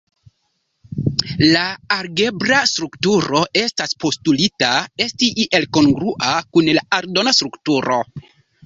La algebra strukturo estas postulita esti iel kongrua kun la aldona strukturo.